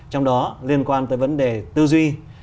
trong đó liên quan tới vấn đề tư duy